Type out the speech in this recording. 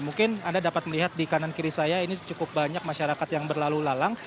mungkin anda dapat melihat di kanan kiri saya ini cukup banyak masyarakat yang berlalu lalang